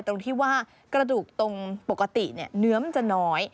ตรงที่ว่ากระดูกตรงปกติเนื้อมันจะน้อย